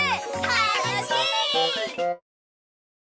たのしい！